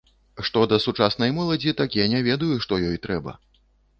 Што да сучаснай моладзі, так я не ведаю, што ёй трэба.